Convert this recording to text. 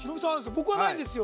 僕はないんですよ